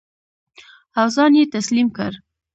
او ځان یې تسلیم کړ.